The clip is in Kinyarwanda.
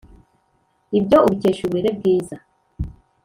Ibyo ubikesha uburere bwiza.